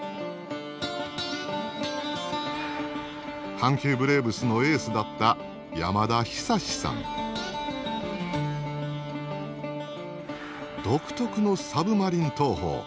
阪急ブレーブスのエースだった独特のサブマリン投法